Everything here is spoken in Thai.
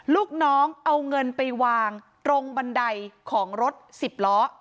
ลูกน้องเอาเงินไปวางตรงบันไดของรถสิบล้อ